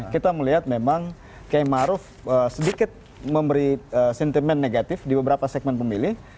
kita melihat memang kiai maruf sedikit memberi sentimen negatif di beberapa segmen pemilih